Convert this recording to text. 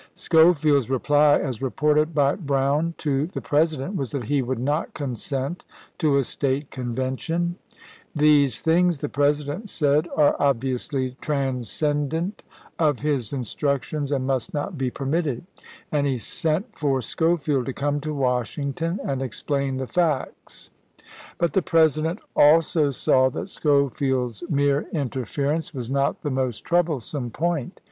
Scho field's reply, as reported by Brown to the President, was that he would not consent to a State Conven tion. "These things," the President said, "are 472 ABEAHAM LINCOLN Chap. XX. obviously transcendent of his instructions and J.. H., must not be permitted "; and he sent for Schofield ^1863!^' *^ come to Washington and explain the facts. But the President also saw that Schofield's mere interference was not the most troublesome point.